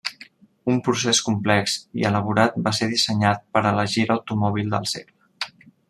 Un procés complex i elaborat va ser dissenyat per elegir l'automòbil del segle.